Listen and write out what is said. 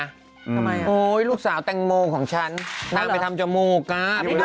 ทำไมอ่ะโอ๊ยลูกสาวแตงโมงของฉันน่าต้องไปทำจมูกค่ะดูดูดู